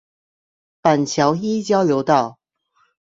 板橋一交流道